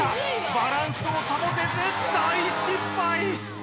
バランスを保てず大失敗！